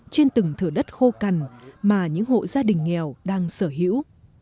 trên từng thửa đất khô cằn mà những hộ gia đình nghèo đang sở hữu